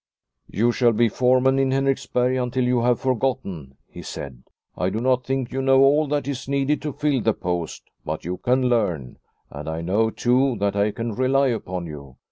" You shall be foreman in Henriksberg until you have forgotten," he said. " I do not think you know all that is needed to fill the post, but you can learn ; and I know, too, that I can rely upon you."